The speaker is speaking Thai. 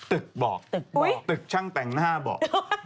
ตึกบอกตึกช่างแต่งหน้าบอก